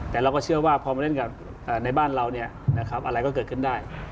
แต่เราก็เชื่อว่าพอมาเล่นกับในบ้านเราอะไรก็เกิดขึ้นได้